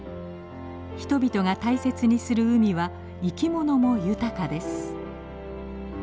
人々が大切にする海は生き物も豊かです。